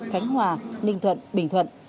khánh hòa ninh thuận bình thuận